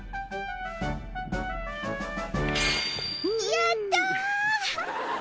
やったー！